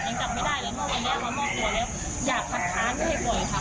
ทั้งจับไม่ได้ว่าเมื่อวันแรกเขามอบตัวแล้วอยากทักท้านให้ปล่อยค่ะ